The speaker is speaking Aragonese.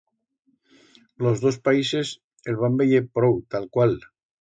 Los dos países el van veyer prou talcual.